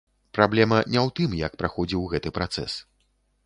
Праблема не ў тым, як праходзіў гэты працэс.